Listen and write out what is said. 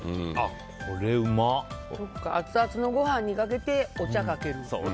アツアツのご飯にかけてお茶かける。